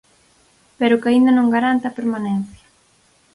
Pero que aínda non garante a permanencia.